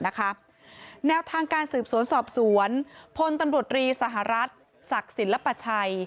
แนวทางการสืบสวนสอบสวนพลตำรวจรีสหรัฐศักดิ์ศิลปชัย